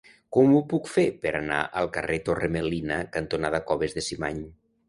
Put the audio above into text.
Com ho puc fer per anar al carrer Torre Melina cantonada Coves d'en Cimany?